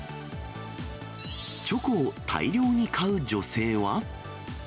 チョコを大量に買う女性は。